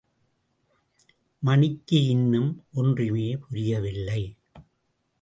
மணிக்கு இன்னும் ஒன்றுமே புரியவில்லை.